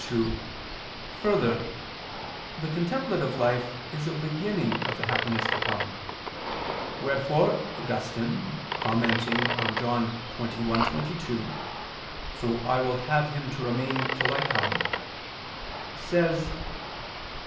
2: Further, the contemplative life is a beginning of the happiness to come; wherefore Augustine commenting on John 21:22, "So I will have him to remain till I come," says (Tract.